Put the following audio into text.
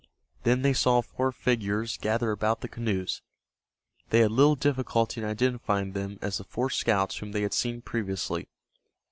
Then they saw four figures gather about the canoes. They had little difficulty in identifying them as the four scouts whom they had seen previously.